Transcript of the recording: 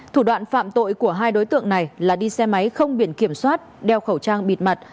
thủ đoạn phạm tội của hai đối tượng này là đi xe máy không biển kiểm soát đeo khẩu trang bịt mặt